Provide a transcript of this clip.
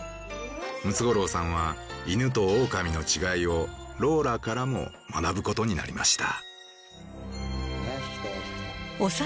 ムツゴロウさんは犬とオオカミの違いをローラからも学ぶことになりました。